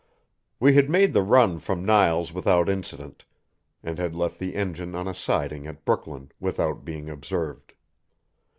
We had made the run from Niles without incident, and had left the engine on a siding at Brooklyn without being observed.